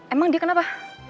emang dia kenapa